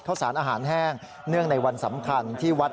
ข้าวสารอาหารแห้งเนื่องในวันสำคัญที่วัด